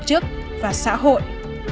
chức và xã hội